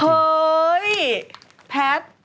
เฮ้ยแพทย์